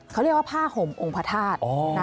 เขาเรียกว่าผ้าห่มองค์พระธาตุนะ